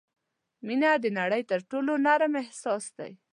• مینه د نړۍ تر ټولو نرم احساس دی.